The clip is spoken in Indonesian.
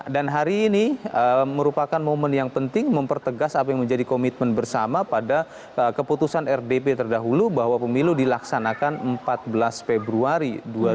dan hari ini merupakan momen yang penting mempertegas apa yang menjadi komitmen bersama pada keputusan rdp terdahulu bahwa pemilu dilaksanakan empat belas februari dua ribu dua puluh empat